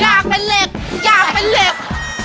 อยากเป็นเหล็กอยากเป็นเหล็ก